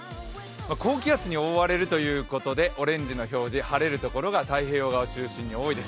高気圧に覆われるということでオレンジの表示、晴れる所が太平洋側を中心に多いです。